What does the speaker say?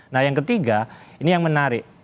nah yang ketiga ini yang menarik